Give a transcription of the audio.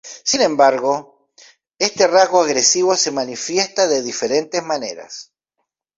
Sin embargo, este rasgo agresivo se manifiesta de diferentes maneras.